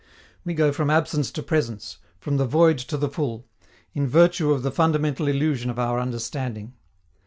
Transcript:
We go from absence to presence, from the void to the full, in virtue of the fundamental illusion of our understanding.